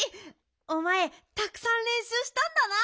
おまえたくさんれんしゅうしたんだな。